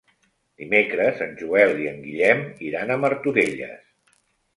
Dimecres en Joel i en Guillem iran a Martorelles.